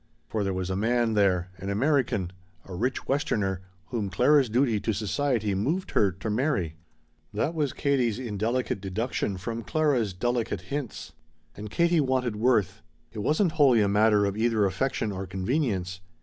For there was a man there an American, a rich westerner whom Clara's duty to society moved her to marry. That was Katie's indelicate deduction from Clara's delicate hints. And Katie wanted Worth. It wasn't wholly a matter of either affection or convenience.